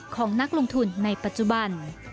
ของนักลงทุนในปัจจุบัน